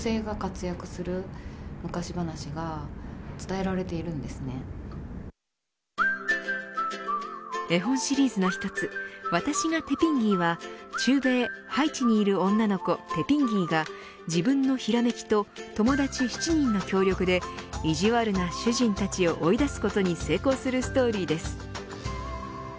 えほんシリーズの一つわたしがテピンギーは中米、ハイチにいる女の子テピンギーが自分のひらめきと友達７人の協力で意地悪な主人たちを追い出すことに成功するストーリーです。